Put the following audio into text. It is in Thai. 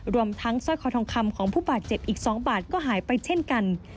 รวมทั้งสร้อยคอทองคำของผู้บาดเจ็บอีก๒บาทก็หายไปเช่นกัน